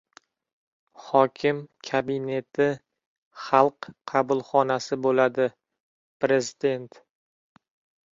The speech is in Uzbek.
«Hokim kabineti „xalq qabulxonasi“ bo‘ladi» — prezident